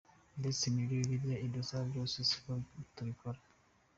Ndetse n'ibyo Bibiliya idusaba byose siko tubikora.